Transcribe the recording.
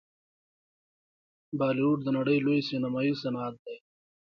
بالیووډ د نړۍ لوی سینما صنعت دی.